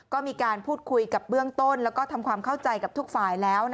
ก็มีการพูดคุยกับเบื้องต้นแล้วก็ทำความเข้าใจกับทุกฝ่ายแล้ว